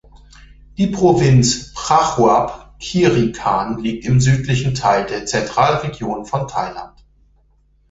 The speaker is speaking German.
Die Provinz Prachuap Khiri Khan liegt im südlichen Teil der Zentralregion von Thailand.